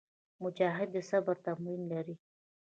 مجاهد د صبر تمرین لري.